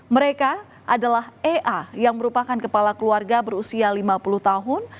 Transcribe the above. mereka adalah ea yang merupakan kepala keluarga berusia lima puluh tahun